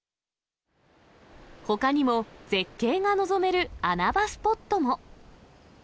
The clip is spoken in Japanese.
ほかにも絶景が望める穴場スポットも。